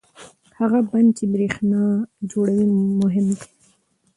هغه بند چې برېښنا جوړوي مهم دی.